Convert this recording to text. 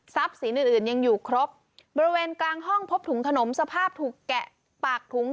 สินอื่นอื่นยังอยู่ครบบริเวณกลางห้องพบถุงขนมสภาพถูกแกะปากถุง